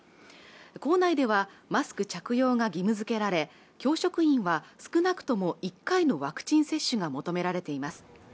校内ではマスク着用が義務付けられ教職員は少なくとも１回のワクチン接種が求められています